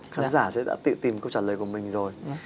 khán giả sẽ đã tự tìm câu trả lời của mình rồi